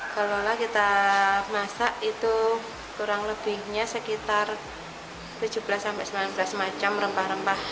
kalau kita masak itu kurang lebihnya sekitar tujuh belas sampai sembilan belas macam rempah rempah